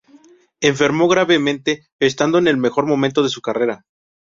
Enfermó gravemente estando en el mejor momento de su carrera.